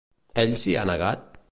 Ell s'hi ha negat?